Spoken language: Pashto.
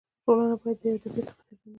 ټولنه باید د ادیبانو قدرداني وکړي.